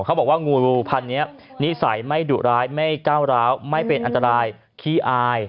เขาบอกว่างูพันนี้นิสัยไม่ดุร้ายไม่ก้าวร้าวไม่เป็นอันตรายขี้อาย